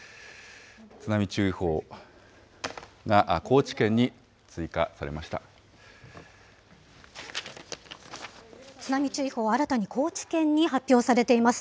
津波注意報が高知県に追加されま津波注意報、新たに高知県に発表されています。